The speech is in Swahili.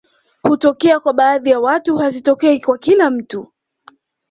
Hutokea kwa baadhi ya watu hazitokei kwa kila mtu